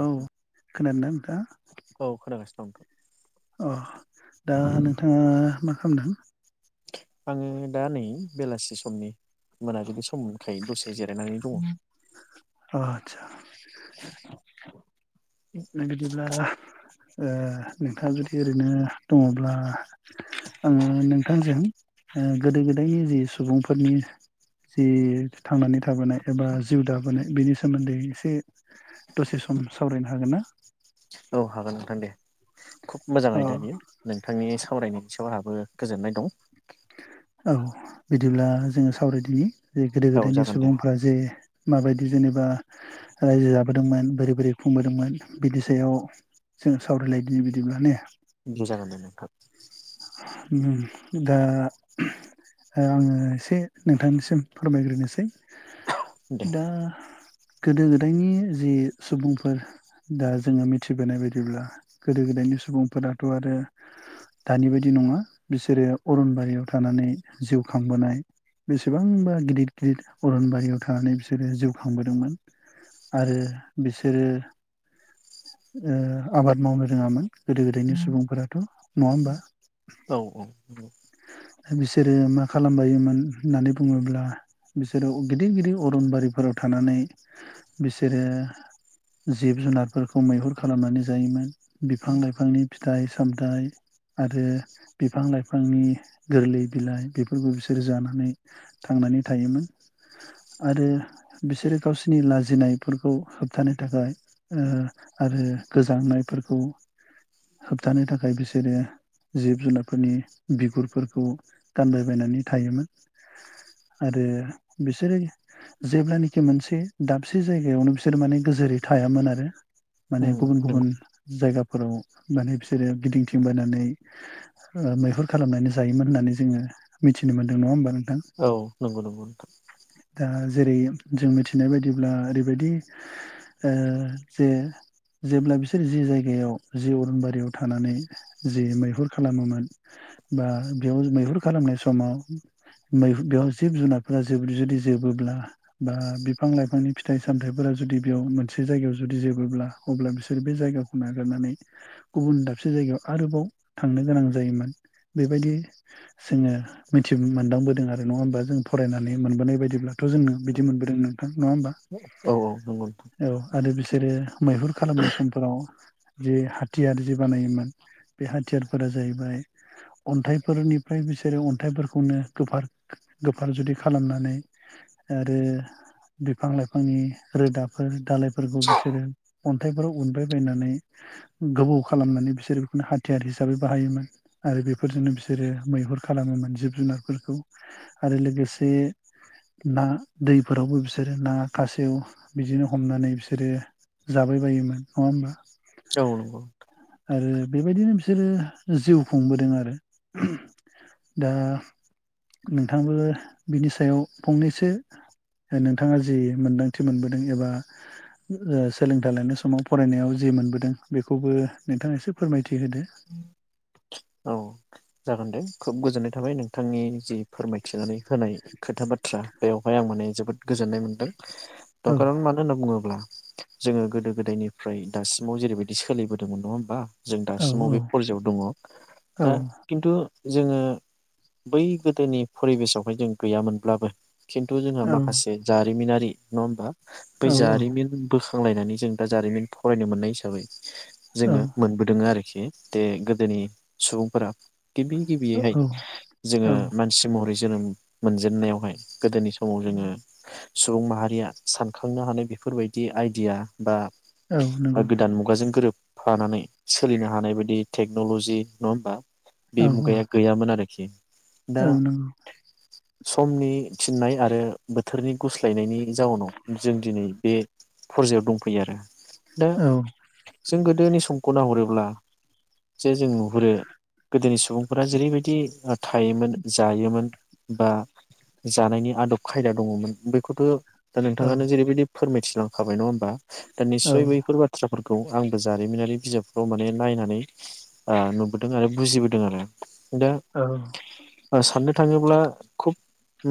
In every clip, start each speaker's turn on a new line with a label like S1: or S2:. S1: औ खोनादोंना नोंथाङा?
S2: औ खोनागासिनो दं नोंथां
S1: अह दा नोंथाङा मा खामदों?
S2: आङो दा नै बेलासि समनि मोनाबिलि समखाय दसे जिरायनानै दङ।
S1: [unintelligible] बिदिब्ला ओ नोंथाङा जुदि ओरैनो दङब्ला आङो नोंथांजों गोदो गोदायनि जि सुबुंफोरनि जि थांनानै थाबोनाय एबा जिउ दाबोनाय बेनि सोमोन्दै एसे दसे सम सावरायनो हागोन ना?
S2: औ हागोन नोंथां दे खुब मोजां
S1: अ
S2: आयदा बियो नोंथांनि सो सावरायनायनि सायाव आहाबो गोजोननाय दं।
S1: औ बिदिब्ला जोङो सावरायदिनि जे गोदो
S2: औ
S1: गोदायनि
S2: जागोन दे
S1: सुबुंफ्रा जे माबायदि जेनेबा रायजो जाबोदोंमोन बोरै बोरै खुंबोदोंमोन बिनि सायाव जों सावरायलायदि बिदिब्ला ने
S2: दे जागोन दे नोंथां।
S1: उम दा आङो एसे नोंथांनिसिम फोरमायग्रोनोसै
S2: दे
S1: दा गोदो गोदायनि जि सुबुंफोर दा जोङो मिथिबोनाय बायदिब्ला गोदो गोदायनि सुबुंफोराथ' आरो दानि बायदि नङा बिसोरो अरनबारियाव थानानै जिउ खांबोनाय बेसेबांबा गिदिर गिदिर अरनबारियाव थानानै बिसोरो जिउ खांबोदोंमोन आरो बिसोरो ओ आबाद मावनो रोङामोन गोदो गोदायनि सुबुंफोराथ' नङा होमबा
S2: औ औ नंगौ
S1: बिसोरो मा खालामबायोमोन होननानै बुङोब्ला बिसोरो गिदिर गिदिर अरनबारिफोराव थानानै बिसोरो जिब जुनारफोरखौ मैहुर खालामनानै जायोमोन बिफां लाइफांनि फिथाइ सामथाइ आरो बिफां लाइफांनि गोरलै बिलाइ बेफोरखौ बिसोरो जानानै थांनानै थायोमोन आरो बिसोरो गावसिनि लाजिनायफोरखौ होबथानो थाखाय ओ आरो गोजांनायफोरखौ होबथानो थाखाय बिसोरो जिब जुनारफोरनि बिगुरफोरखौ गानलायबायनानै थायोमोन आरो बिसोरो जेब्लानोखि मोनसे दाबसे जायगायावनो बिसोरो माने गोजोरै थायामोन आरो माने
S2: उम
S1: गुबुन
S2: नंगौ
S1: गुबुन जायगाफोराव माने बिसोरो गिदिंथिंबायनानै मैहुर खालामनानै जायोमोन होननानै जोङो मिथिनो मोनदों नङा होमबा नों थां
S2: औ नंगौ नंगौ नोंथां
S1: दा जेरै जों मिथिनाय बायदिब्ला ओरैबायदि ओ जे जेब्ला बिसोर जि जायगायाव जि अरनबारियाव थानानै जि मै मैहुर खालामोमोन बा बेयाव मैहुर खालामनाय समाव मैहु-बेयाव जिब जुनारफोरा जोब जुदि जोबोब्ला बा बिफां लाइफांनि फिथाइ सामथाइफोरा जुदि बेयाव मोनसे जायगायाव जुदि जोबोब्ला अब्ला बिसोर बे जायगाखौ नागारनानै गुबुन दाबसे जायगायाव आरोबाव थांनो गोनां जायोमोन बेबायदि जोङो मिथि मोनदांबोदों आरो नङा होमबा जों फरायनानै मोनबोनाय बायदिब्लाथ' जोंनो बिदि मोनबोदों नोंथां नङा होमबा
S2: औ औ नंगौ नोंथां
S1: औ आरो बिसोरो मैहुर खालामनाय समफोराव जे हाथियार जि बानायोमोन बे हाथियारफोरा जाहैबाय अन्थाइफोरनिफ्राय बिसोरो अन्थाइफोरखौनो गोफार गोफार जुदि खालामनानै आरो बिफां लाइफांनि रोदाफोर दालायफोरखौ बिसोरो अन्थाइफोराव उनबायबायनानै गोबौ खालामनानै बिसोर बेखौनो हाथ हाथियार हिसाबै बाहायोमोन आरो बेफोरजोंनो बिसोरो मैहुर खालामोमोन जिब जुनारफोरखौ आरो लोगोसे ना दैफोरावबो बिसोरो ना खासेव बिदिनो हमनानै बिसोरो जाबाय बायोमोन नङा होमबा।
S2: औ नंगौ नोंथां
S1: आरो बेबायदिनो बि सोरो जिउ खुंबोदों आरो दा नोंथाबो बिनि सायाव फंनैसो नोंथाङा जि मोनदांथि मोनबोदों एबा सोलोंथाइ लानाय समाव फरायनायाव जि मोनबोदों बेखौबो नोंथाङा एसे फोरमायथि होदो।
S2: औ जागोन दे खोब गोजोननाय थाबाय नोंथांनि जि फोरमायथिनानै होनाय खोथा बाथ्रा बेवहाय आं माने जोबोद गोजोननाय मोनदों। थ
S1: औ
S2: कारन मानो होनना बुङोब्ला जोङो गोदो गोदायनिफ्राय दासिमाव जेरैबायदि सोलिबोदोंमोन नङा होमबा जों दासिमाव
S1: औ
S2: बे परजायाव दङ
S1: औ
S2: दा खिन्थु जोङो बै गोदोनि फरिबेसावहाय जों गैयामोनब्लाबो खिन्थु जोंहा माखासे जारिमिनारि नङा होमबा
S1: औ
S2: बै जारिमिन बुस नांलायनानै जों दा जारिमिन फरायनो मोननाय हिसाबै
S1: औ
S2: जोङो मोनबोदों आरि खि दे गोदोनि सुबुंफोरा गिबि गिबियैहाय
S1: औ
S2: जोङो मानसि महरै जोनोम मोनजेननायावहाय गोदोनि समाव जोङो सुबुं माहारिया सानखांनो हानाय बेफोरबायदि आइडिया बा
S1: औ नंगौ
S2: गोदान मुगाजों गोरोब फानानै सोलिनो हानाय बायदि टेक्न'ल'जि नङा होमबा? बे
S1: औ औ
S2: मुगाया गैयामोन आरोखि दा
S1: औ नंगौ
S2: समनि थिननाय आरो बोथोरनि गुस्लायनायनि जाउनाव जों दिनै बे फरजायाव दंफैयो आरो दा
S1: औ
S2: जों गोदोनि स समखौ नाहरोब्ला जे जोङो नु हुरो गोदोनि सुबुंफोरा जेरैबायदि थायोमोन जायोमोन बा जानायनि आदब खायदा दङमोन बेखौथ' दा
S1: औ
S2: नोंथाङानो जेरैबायदि फोरमायथिलांखाबाय नङा होमबा दा
S1: औ
S2: निसय बैफोर बाथ्राफोर खौ आंबो जारिमिनारि बिजाबफ्राव माने नायनानै आ नुबोदों आरो बुजिबोदों आरो दा
S1: औ
S2: ओ साननो थाङोब्ला खुब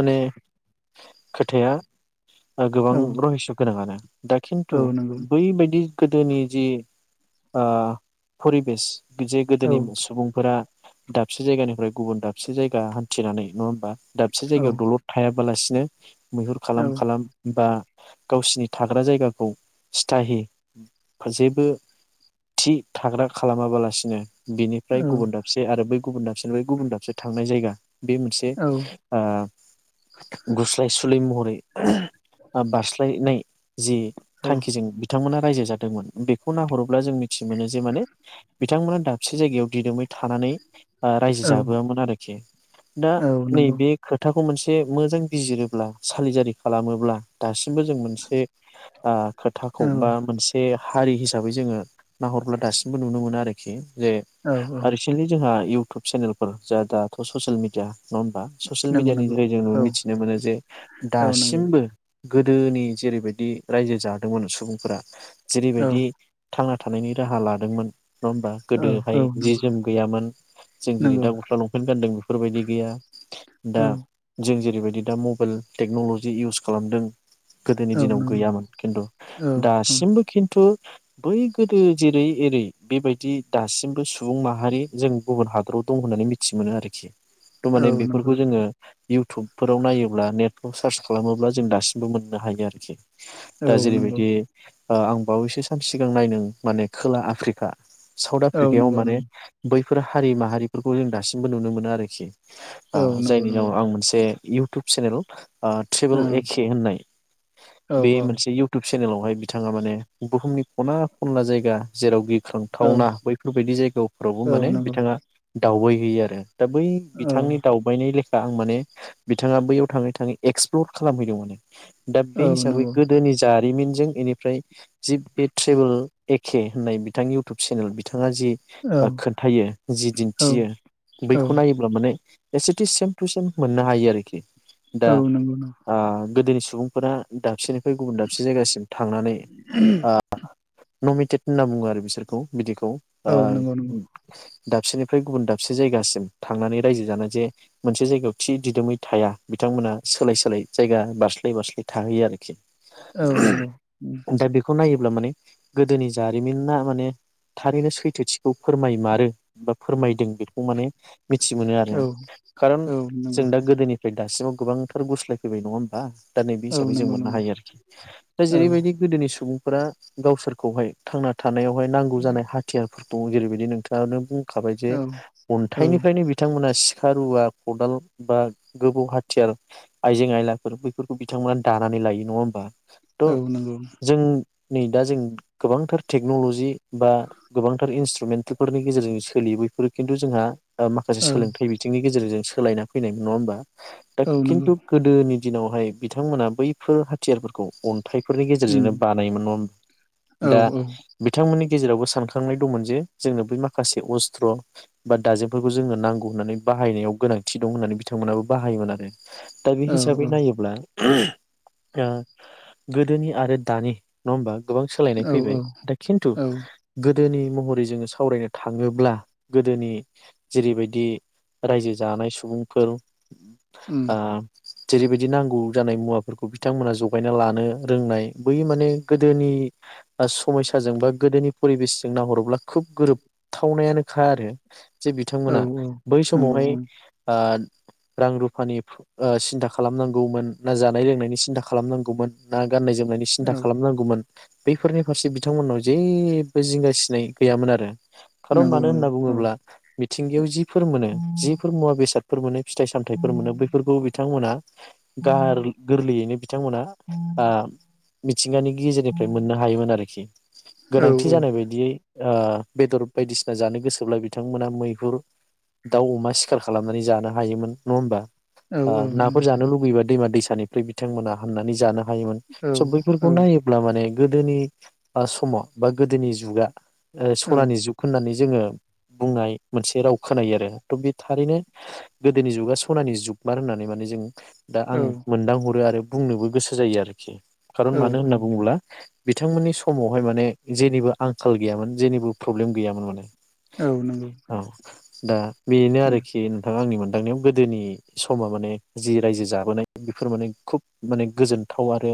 S2: माने खोथाया ओ गोबां
S1: औ
S2: रहिस' गोनाङानो दा खिन्थु
S1: औ नंगौ
S2: बैबायदि गोदोनि जि ओ परिबेस जे
S1: औ
S2: गोदोनि सुबुंफोरा दाबसे जायगानिफ्राय गुबुन दाबसे जायगा हान्थिनानै नङा होमबा? दाबसे जायगायाव दलद थायाबालास ने मैहुर खालाम खालाम बा गावसिनि थाग्रा जायगाखौ सिथाहि जेबो थि थाग्रा खालामाबालासिनो उम बेनिफ्राय गुबुन दाबसे आरो बै गुबुन दाबसेनिफ्राय गुबुन दाबसे थांनाय जायगा बे मोनसे गुस्लायसुलि महरै बारस्लायनाय। जि
S1: औ
S2: थांखिजों बिथांमोना रायजो जादोंमोन बेखौ नाहरोब्ला जों मिथिनो मोनो जे माने। बिथांमोना दाबसे जायगायाव दिदोमै थानानै
S1: औ
S2: रायजो
S1: औ
S2: जाबोआमोन आरोखि दा
S1: औ नंगौ
S2: नैबे खोथा खौ मोनसे मोजां बिजिरोब्ला सालिजारि खालामोब्ला दासिमबो जों मोनसे आ खोथाखौ बा
S1: औ
S2: मोनसे हारि हिसाबै जोङो नाहरब्ला दासिमबो नुनो मोनो आरोखि। खि जे रिसेन्टलि जोंहा इउ इउटुब चेनेलफोर जा दाथ' ससियेल मिडिया नङा होमबा ससियेल मिडियानि जोहै जों मिथिनो मोनो जे
S1: औ औ नंगौ नंगौ
S2: दासिमबो गोदोनि जेरैबायदि रायजो जादोंमोन सुबुंफोरा जेरैबायदि
S1: औ
S2: थांना थानायनि राहा लादोंमोन। नङा होमबा
S1: औ नंगौ औ औ
S2: गोदोहाय
S1: औ नंगौ
S2: जि जोम गैयामोन जों जेरै दा
S1: नंगौ
S2: गस्ला लंपेन गानदों बेफोरबायदि गैया दा
S1: औ
S2: जों जेरैबायदि बिदि दा मबाइल टेक्न'लजि इउस खालामदों। गोदोनि
S1: औ
S2: दिनाव
S1: नंगौ
S2: गैयामोन खिन्थु
S1: औ
S2: दासिमबो खिन्थु बै गोदो जेरै एरै बेबायदि दासिमबो सुबुं माहारि जों गुबुन हादराव दं होननानै मिथि मोनो आरोखि। दमाने
S1: औ
S2: बेफोरखौ
S1: नंगौ
S2: जोङो इउटुबफोराव नायोब्ला नेटफ्राव सार्च खालामोब्ला जों दासिमबो मोननो हायो आरखि। दा
S1: औ नंगौ
S2: जेरैबायदि ओ आं बावैसो सान सिगां नायदों माने खोला आफ्रिक खा साउथ
S1: औ
S2: आफ्रिकायाव
S1: नंगौ
S2: माने
S1: नंगौ
S2: बै बेफोर हारि माहारिफोरखौ जों दासिमबो नुनो मोनो आरोखि। आ
S1: औ नंगौ
S2: जायनि उनाव
S1: नंगौ
S2: आं मोनसे इ टुब चेनेल आं ट्रेबेल
S1: औ
S2: एके होननाय
S1: औ
S2: बे मोनसे इउटुब चेनेलावहाय बिथाङा माने बुहुमनि खना खनला जायगा जेराव
S1: औ
S2: खांथावना बैफोरबायदि जायगाफोरावबो
S1: औ
S2: माने
S1: नंगौ
S2: बिथाङा दावबाय होयो आरो। दा बै
S1: औ
S2: बिथांनि दावबायनाय ले दा आं माने बिथाङा बैयाव थाङै थाङै एक्सप्लर खालामहैदों माने। दा बे
S1: औ
S2: हिसाबै
S1: नंगौ
S2: गोदोनि जारिमिनजों बेनिफ्राय जि बे ट्रेबोेल ए खे होननाय बि थां इउटुब चेनेल बिथां थाङा जि
S1: औ
S2: खोन्थायो जि
S1: औ
S2: दिन्थियो
S1: औ
S2: बैखौ नायोब्ला माने एसेटि सेम टु सेम मोननो हायो आरोखि। दा
S1: औ नंगौ
S2: आ। गोदोनि सुबुंफोरा दाबसिनि बे गुबुन दाबसे जायगासिम थांनानै ओ नमिटेद होनना बुङो आरो सोरखौ बिदि खौ
S1: नंगौ
S2: ओ
S1: औ नंगौ नंगौ
S2: दाबसेनिफ्राय गुबुन दाबसे जायगासिम थांनानै रायजो जानाय जे, मोनसे जायगायाव थि दिदोमै थाया बिथांमोनहा सोलाय सोलाय जायगा बारस्लाय बारस्लाय थाहैयो आरोखि।
S1: औ नंगौ उम।
S2: ब्ला माने गोदोनि जारिमिनना माने थारैनो सैथोथिखौ फोरमायमारो बा फोरमायदों बेखौ माने मिथि मोनो आरो
S1: औ
S2: खारन
S1: औ
S2: जों
S1: नंगौ
S2: दा गोदोनिफ्राय दासिमाव गोबांथार गुस्लायफैबाय नङा होमबा? दा नैबे
S1: औ
S2: हिसाबै जों
S1: नंगौ
S2: मोननो
S1: नंगौ
S2: हायो आरोखि, दा
S1: औ
S2: जेरैबायदि गोदोनि सुबुं फोरा गावसोरखौहाय थांना था थानायावहाय नांगौ जानाय हाथियारफोर दं, जेरैबायदि नोंथाङानो बुं खाबाय जे
S1: औ
S2: अन्थाइनिफ्रायनो बिथांमोना सि खा रुवा खदाल बा गोबौ हाथियार आइजें आयलाफोर बैफोरखौ बिथांमोना दानानै लायो नङा होमबा? थ'
S1: औ नंगौ।
S2: जों नै दा जों गोबांथार टेक्न'ल'जि बा गोबांथार इन्सट्रुमेन्टफोरनि गेजेरजों सोलियो बैफोरो खिन्थु जोंहा ओ माखासे
S1: औ
S2: सोलोंथाइ बिथिंनि गेजेरजों सो सोलायना फैनाय नङा होमबा? दा
S1: औ नंगौ
S2: खिथु गोदोनि दिनावहाय बिथांमोना बैफोर हाथियारफोर खौ अन्थाइफोरनि
S1: उम
S2: गेजेरजोंनो बानायोमोन नङा,
S1: औ
S2: दा बिथांमोननि गेजेरावबो सानखांनाय दंमोन जे, जोंनो बै माखासे अस्त्र बा दाजेमफोरखौ जोंनो नांगौ होननानै बाहायनायाव गोनांथि दं होननानै बिथांमोनाबो बाहायोमोन आरो। दा बे
S1: औ
S2: हिसाबै नायोब्ला ओ गोदोनि आरो दानि, नङा होमबा? गोबां सोलायनाय
S1: औ
S2: फैबाय। दा खिन्थु
S1: औ
S2: गो गोदोनि महरै जोङो सावरायनो थाङोब्ला, गोदोनि जेरैबायदि रायजो जानाय सुबुंफोर
S1: उम
S2: आ जेरैबायदि नांगौ। जानाय मुवाफोरखौ बिथांमोना जगायना लानो रोंनाय बै माने गोदोनि समयसाजों बा गोदोनि परिबेसजों नाहरोब्ला खोब गोरोबथावनायानोखा आरो। जे
S1: औ
S2: बिथांमोना बै
S1: नंगौ
S2: समावहाय
S1: उम
S2: ओ रां रुफानि ओ सिन्था खालामनांगौमोन ना जानाय लोंनायनि सिन्था खालामनांगौमोन ना गाननाय जोमनायनि
S1: औ
S2: सिन्था खालामनांगौमोन बैफोरनि फारसे बिथांमोननाव जेबो जिंगासिनाय गैयामोन आरो खारन
S1: नंगौ
S2: मानो
S1: नंगौ
S2: होनना
S1: औ
S2: बुङोब्ला मिथिंगायाव जिफोर मोनो जिफोर मुवा बेसाद फोर मोनो। फिथाइ सामथायाइफोर मोनो बैफोरखौ बिथांमोना गार गोरलैयैनो बिथांमोना आ मिथिंगानि गेजेरनिफ्राय मोननो हायोमोन आरो इसे
S1: औ
S2: गोनांथि जानाय बायदियै ओ बेदर बायदिसिना जानो गोसोब्ला बिथांमोना मैहुर दाउ अमा सिखार खालामनानै जानो हायोमोन नङा होमबा?
S1: औ
S2: ओ नाफोर
S1: नंगौ
S2: जानो लुुबैबा दैमा दैसा निफ्राय बिथांमोना हाननानै जानो हायोमोन
S1: औ
S2: स बैफोरखौ नायोब्ला माने गोदोनि ओ समाव बा गोदोनि जुगा ओ सनानि जुग होननानै जोङो बुंनाय मोनसे राव खोनायो आरो थ' बे थारैनो गोदोनि जुगा सनानि जुग। बार होननानै माने जों दा आं मोनदां हरो आरो बुंनोबो गोसो जायो आरोखि खारन
S1: औ
S2: मानो
S1: औ
S2: होनना बुङोब्ला बिथांमोननि [unintelligible] समावहाय माने जेनिबो आंखाल गैयामोन जेनिबो प्रब्लेम गैयामोन माने।
S1: औ नंगौ
S2: औ दा बेनो
S1: उम
S2: आरोखि नोंथाङा आंनि मोन लांनायाव गोदोनि समा माने जि रायजो जाबोनाय बेफोर माने खुब माने गोजोनथाव आरो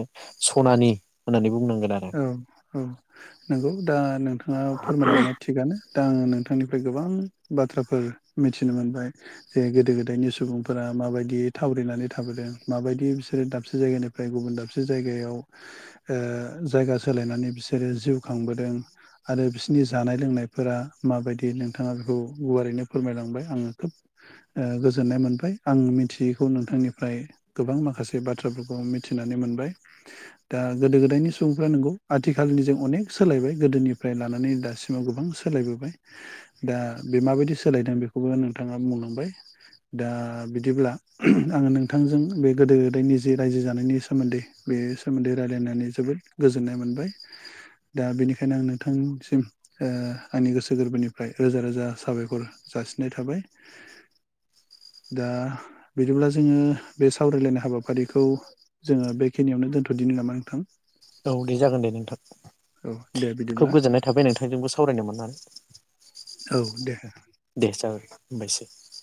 S2: सनानि होननानै बुंनांगोन आरो।
S1: औ औ नंगौ दा नोंथाङा फोरमायलांनाया थिगानो दा आङो नों थांनिफ्राय गोबां बाथ्राफोर मिथिनो मोनबाय जे गोदो गोदायनि सुबुंफोरा माबायदि थावरिनानै थाबोदों माबायदि बिसोरो दाबसे जायगानिफ्राय गुबुन दाबसे जायगायाव ओ जायगा सोलायनानै बिसोरो जिउ खांबोदों आरो बिसोरनि जानाय लोंनायफोरा माबायदि नोंथाङा बेखौ गुवारैनो फोरमायलांबाय आङो खोब ओ गोजोननाय मोनबाय आं मिथियैखौ नोंथांनिफ्राय गोबां माखासे बाथ्राफोरखौ मिथिनानै मोनबाय दा गोदो गोदायनि सुबुंफ्रा नोंगौ आथिखालनि जों अनेक सोलायबाय गोदोनिफ्राय लानानै दासिमाव गोबां सोलायबोबाय दा बे माबायदि सोलायदों बेखौबो नोंथाङा बुंलांबाय दा बिदिब्ला आङो नोंथांजों बे गोदो गोदायनि जे रायजो जानायनि सोमोन्दै बे सोमोन्दै रायलायनानै जोबोद गोजोननाय मोनबाय। दा बेनिखायनो आं नोंथांसिम ओ आंनि गोसो गोरबोनिफ्राय रोजा रोजा साबायखर जासिननाय थाबाय। दा बिदिब्ला जोङो बे सावरायलायनाय हाबाफारिखौ जोङो बे खिनियावनो दोनथ'दिनो नामा नोंथां?
S2: औ दे जागोन दे नोंथां
S1: औ दे
S2: खोब
S1: बिदिब्ला
S2: गोजोननाय थाबाय नोंथांजोंबो सावरायनो मोननानै
S1: औ दे
S2: दे जागाय [unintelligible]